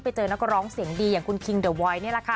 ไปเจอนักร้องเสียงดีอย่างคุณคิงเดอร์ไวน์